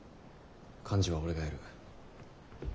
幹事は俺がやる。